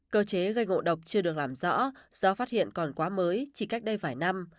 cơ chế gây ngộ độc chưa được làm rõ do phát hiện còn quá mới chỉ cách đây vài năm